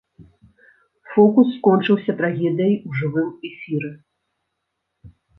Фокус скончыўся трагедыяй у жывым эфіры.